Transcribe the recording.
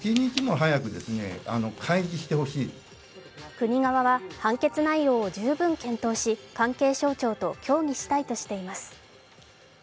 国側は、判決内容を十分検討し関係省庁と協議したいとしています。